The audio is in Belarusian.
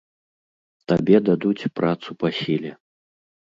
Табе дадуць працу па сіле.